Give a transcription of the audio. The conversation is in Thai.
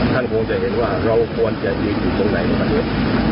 ท่านคงจะเห็นว่าเราควรจะยืนอยู่ตรงไหนในประเทศ